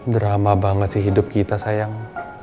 drama banget sih hidup kita sayang